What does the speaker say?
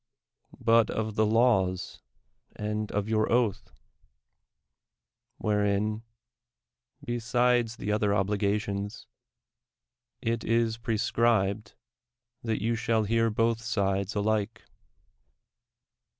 — but of the laws and of your oatli: wliorcin ('besides the other obligations) it is prescribed that you shall hear both sides alike.